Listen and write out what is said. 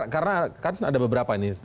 karena kan ada beberapa ini